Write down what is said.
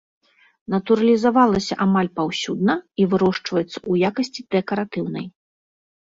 Натуралізавалася амаль паўсюдна і вырошчваецца ў якасці дэкаратыўнай.